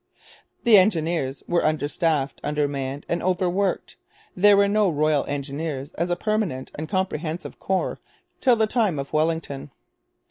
The engineers were under staffed, under manned, and overworked. There were no Royal Engineers as a permanent and comprehensive corps till the time of Wellington.